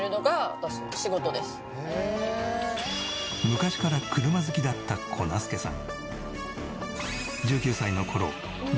昔から車好きだった粉すけさん。